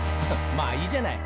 「まあいいじゃない」